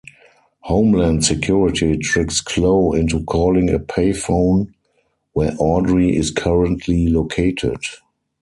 Homeland Security tricks Chloe into calling a pay phone where Audrey is currently located.